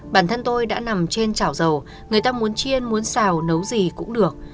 bản thân tôi đã nằm trên chảo dầu người ta muốn chiên muốn xào nấu gì cũng được